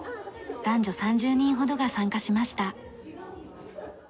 男女３０人ほどが参加しました。